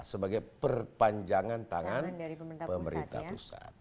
sebagai perpanjangan tangan pemerintah pusat